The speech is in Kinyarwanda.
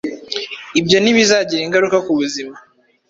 Ibyo ntibizagira ingaruka kubuzima